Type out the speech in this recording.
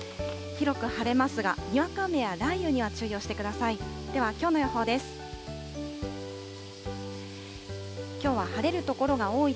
広く晴れますが、にわか雨や雷雨には注意をしてください。